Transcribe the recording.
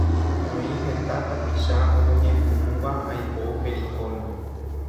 Oĩ heta tapicha omoñepyrũva aipo pericón